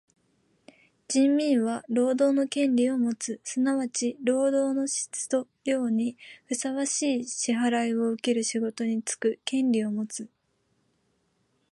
人民は労働の権利をもつ。すなわち労働の質と量にふさわしい支払をうける仕事につく権利をもつ。